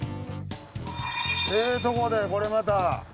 ええとこでこれまた。